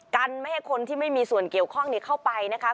กันไม่ให้คนที่ไม่มีส่วนเกี่ยวข้องเข้าไปนะคะ